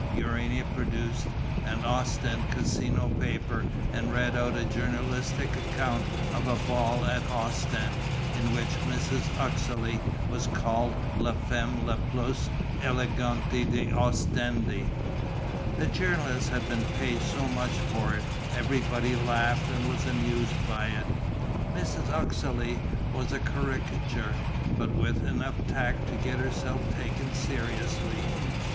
Urania produced an Ostend casino paper and read out a journalistic account of a ball at Ostend, in which Mrs. Uxeley was called la femme la plus élégante d'Ostende. The journalist had been paid so much for it; everybody laughed and was amused by it. Mrs. Uxeley was a caricature, but with enough tact to get herself taken seriously.